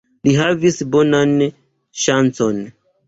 Li havis bonan ŝancon.